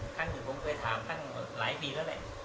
ครั้งหนึ่งผมเคยถามครั้งหลายปีแล้วแหละ